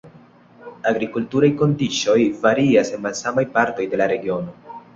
Agrikulturaj kondiĉoj varias en malsamaj partoj de la regiono.